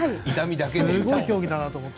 すごい競技だなと思って。